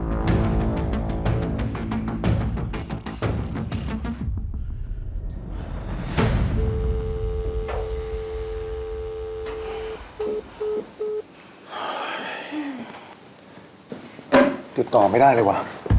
ติดต่อไม่ได้เลยว่ะ